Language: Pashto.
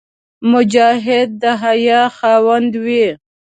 مجاهد د حیا خاوند وي.